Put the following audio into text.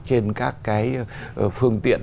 trên các cái phương tiện